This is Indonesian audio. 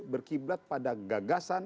berkiblat pada gagasan